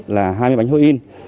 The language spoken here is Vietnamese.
là hai mươi bánh hôi in